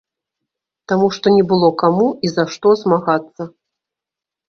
Таму што не было каму і за што змагацца.